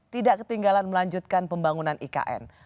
tidak ketinggalan melanjutkan pembangunan ikn